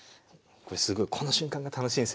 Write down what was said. すごいこの瞬間が楽しいんですよね。